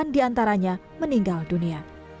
delapan diantaranya meninggal dunia